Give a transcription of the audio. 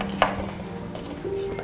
ini kincir aminnya bumi bunuh